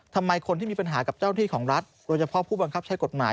ทำไมคนที่มีปัญหากับเจ้าหน้าที่ของรัฐโดยเฉพาะผู้บังคับใช้กฎหมาย